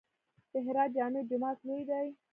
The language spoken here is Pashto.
د هرات جامع جومات لوی دی